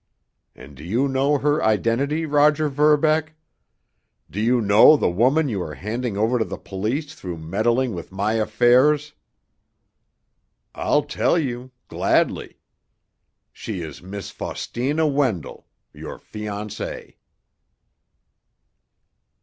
And do you know her identity, Roger Verbeck? Do you know the woman you are handing over to the police through meddling with my affairs? I'll tell you—gladly: She is Miss Faustina Wendell—your fiancée!"